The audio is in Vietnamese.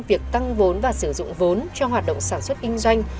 việc tăng vốn và sử dụng vốn cho hoạt động sản xuất kinh doanh